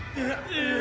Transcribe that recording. うわ。